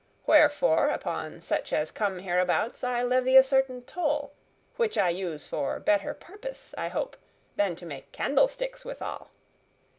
Wherefore, upon such as come hereabouts, I levy a certain toll, which I use for a better purpose, I hope, than to make candlesticks withal.